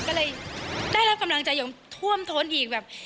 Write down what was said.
ก็เลยได้รับกำลังใจอย่างท่วมท้นอีกแบบ